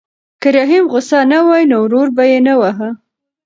که رحیم غوسه نه وای نو ور به یې نه واهه.